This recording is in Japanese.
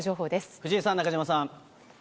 藤井さん、中島さん。